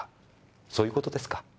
そういう事ですか？